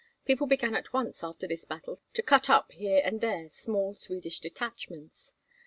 People began at once after this battle to cut up here and there small Swedish detachments.